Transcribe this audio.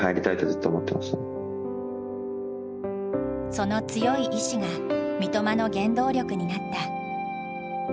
その強い意思が三笘の原動力になった。